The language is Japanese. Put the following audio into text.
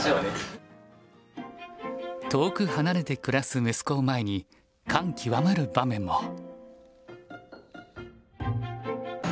遠く離れて暮らす息子を前に感極まる場面も。